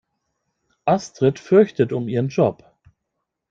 Astrid fürchtet um ihren Job.